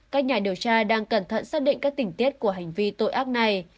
các nhà điều tra đang cẩn thận xác định các tỉnh tiết của hành vi tội ác này